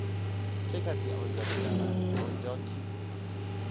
چه کسی آنجا میرود؟ آنجا کیست؟